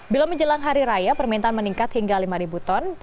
bila menjelang hari raya permintaan meningkat hingga lima ton